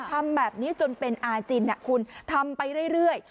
ทำแบบนี้จนเป็นอาจินคุณทำไปเรื่อย